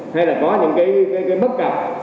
hay là có những cái bất cập